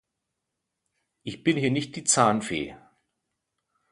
Ich bin hier nicht die Zahnfee!